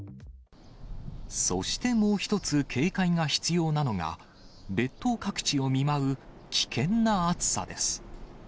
そしてもう一つ、警戒が必要なのが、列島各地を見舞う危険な暑さです。